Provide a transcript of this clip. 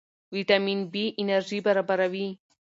ویټامین بي انرژي برابروي.